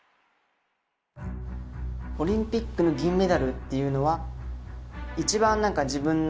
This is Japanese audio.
オリンピックの銀メダルっていうのは一番自分の。